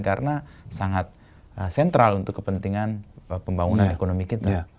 karena sangat sentral untuk kepentingan pembangunan ekonomi kita